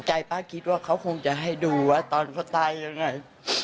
ป้าคิดว่าเขาคงจะให้ดูว่าตอนเขาตายยังไง